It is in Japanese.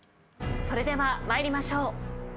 それでは参りましょう。